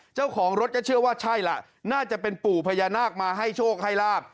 เจ้าของรถก็เชื่อว่าใช่ล่ะน่าจะเป็นปู่พญานาคมาให้โชคให้ลาบ